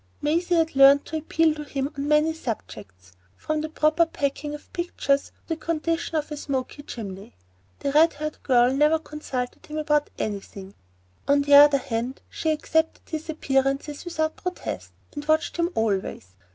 Maisie had learned to appeal to him on many subjects, from the proper packing of pictures to the condition of a smoky chimney. The red haired girl never consulted him about anything. On the other hand, she accepted his appearances without protest, and watched him always.